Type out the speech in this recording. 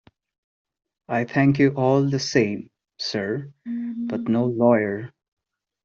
I thank you all the same, sir, but — no lawyer!